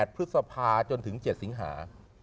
พฤษภาจนถึง๗สิงหา